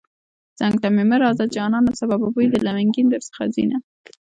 څنگ ته مې مه راځه جانانه سبا به بوی د لونگين درڅخه ځينه